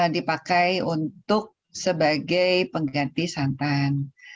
dipakai untuk sebagai pengganti santan